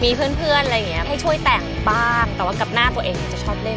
มีเพื่อนเพื่อนอะไรอย่างเงี้ยให้ช่วยแต่งบ้างแต่ว่ากับหน้าตัวเองจะชอบเล่น